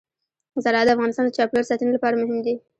زراعت د افغانستان د چاپیریال ساتنې لپاره مهم دي.